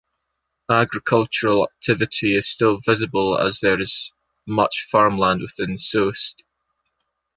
Agricultural activity is still visible as there is much farmland within Soest.